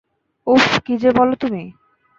উফ, কী যে বলো তুমি।